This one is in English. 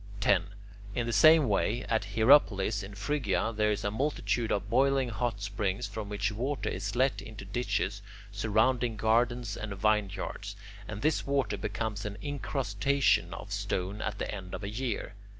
10. In the same way, at Hierapolis in Phrygia there is a multitude of boiling hot springs from which water is let into ditches surrounding gardens and vineyards, and this water becomes an incrustation of stone at the end of a year.